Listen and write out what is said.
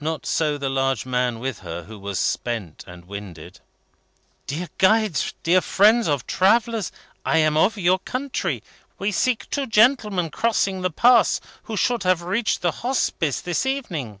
Not so the large man with her, who was spent and winded. "Dear guides, dear friends of travellers! I am of your country. We seek two gentlemen crossing the Pass, who should have reached the Hospice this evening."